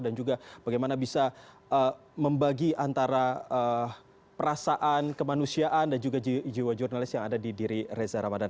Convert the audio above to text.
dan juga bagaimana bisa membagi antara perasaan kemanusiaan dan juga jiwa jurnalis yang ada di diri reza ramadan